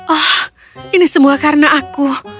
oh ini semua karena aku